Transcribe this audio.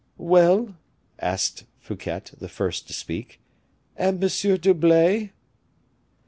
"Well!" asked Fouquet, the first to speak, "and M. d'Herblay?"